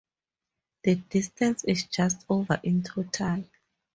The distance is just over in total.